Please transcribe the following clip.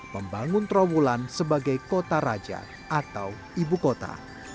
membangun trawulan sebagai kota raja atau ibu kota